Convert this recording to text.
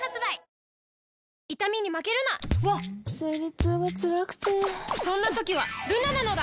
わっ生理痛がつらくてそんな時はルナなのだ！